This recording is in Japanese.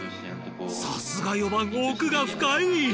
さすが４番奥が深い！